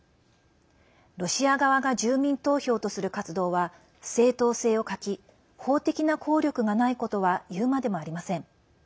ロシア側が住民投票とする活動は正当性を欠き法的な効力がないことは言うまでもありません。